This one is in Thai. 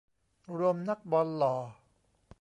รวมนักบอลหล่อ